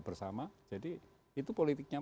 bersama jadi itu politiknya